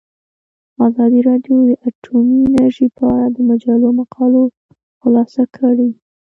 ازادي راډیو د اټومي انرژي په اړه د مجلو مقالو خلاصه کړې.